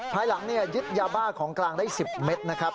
ภายลังนี้ยิดยาบราคมของกลางได้๑๐แมดนะครับ